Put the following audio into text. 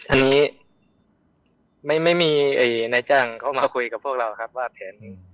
อันนี้ไม่มีนายจ้างเข้ามาคุยกับพวกเราครับว่าแผน